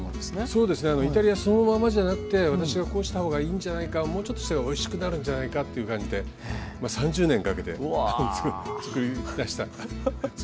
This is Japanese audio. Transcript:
そうですねイタリアそのままじゃなくて私がこうした方がいいんじゃないかもうちょっとしたらおいしくなるんじゃないかっていう感じで３０年かけて作り出した作り方ですね。